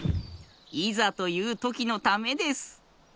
いざというときのためです。